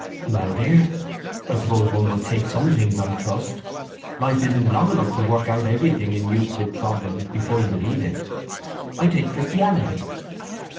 "Well, dear; I suppose one must take some things on trust. Life isn't long enough to work out everything in Euclid problems before you believe it. I take Christianity."